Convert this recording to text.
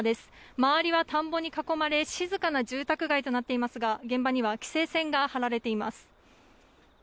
周りは田んぼに囲まれ、静かな住宅街となっていますが、現場には規制線が張られています。